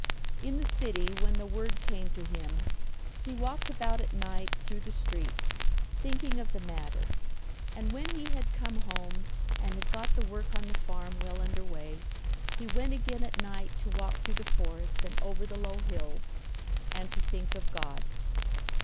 In the city, when the word came to him, he walked about at night through the streets thinking of the matter and when he had come home and had got the work on the farm well under way, he went again at night to walk through the forests and over the low hills and to think of God.